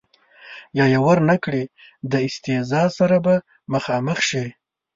یا یې ور نه کړي د استیضاح سره به مخامخ شي.